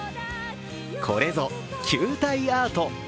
これぞ、球体アート。